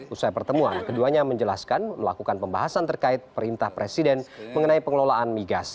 usai pertemuan keduanya menjelaskan melakukan pembahasan terkait perintah presiden mengenai pengelolaan migas